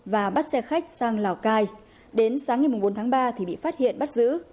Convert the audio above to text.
và bắt xe khách sang lào cai đến sáng ngày bốn tháng ba thì bị phát hiện bắt giữ